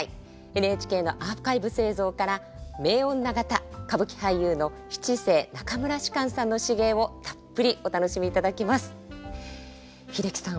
ＮＨＫのアーカイブス映像から名女方歌舞伎俳優の七世中村芝さんの至芸をたっぷりお楽しみいただき英樹さん